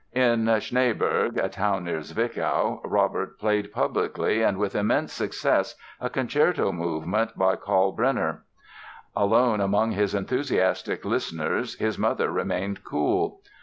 In Schneeberg, a town near Zwickau, Robert played publicly and with immense success a concerto movement by Kalkbrenner. Alone among his enthusiastic listeners his mother remained cool.